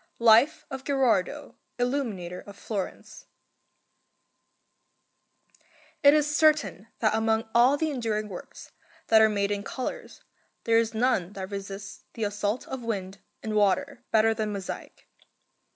GHERARDO GHERARDO ILLUMINATOR OF FLORENCE It is certain that among all the enduring works that are made in colours there is none that resists the assault of wind and water better than mosaic.